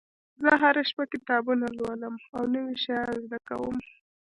زه هره شپه کتابونه لولم او نوي شیان زده کوم